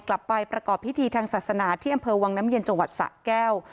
กลับไปประกอบพิธีทางศาสนาที่อำเภอวังน้ำเย็นจังหวัดสะแก้ว